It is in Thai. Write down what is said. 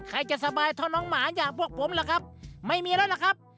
ใครจะสบายเท่าน้องหมาอย่างพวกผมล่ะครับไม่มีแล้วล่ะครับ